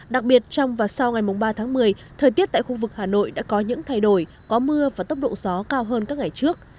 đặc biệt trong và sau ngày ba tháng một mươi thời tiết tại khu vực hà nội đã có những thay đổi có mưa và tốc độ gió cao hơn các ngày trước